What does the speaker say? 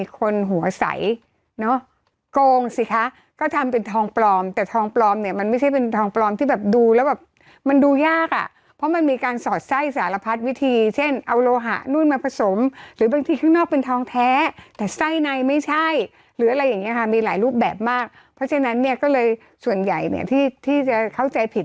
คนหัวใสเนอะโกงสิคะก็ทำเป็นทองปลอมแต่ทองปลอมเนี่ยมันไม่ใช่เป็นทองปลอมที่แบบดูแล้วแบบมันดูยากอ่ะเพราะมันมีการสอดไส้สารพัดวิธีเช่นเอาโลหะนู่นมาผสมหรือบางทีข้างนอกเป็นทองแท้แต่ไส้ในไม่ใช่หรืออะไรอย่างเงี้ค่ะมีหลายรูปแบบมากเพราะฉะนั้นเนี่ยก็เลยส่วนใหญ่เนี่ยที่ที่จะเข้าใจผิด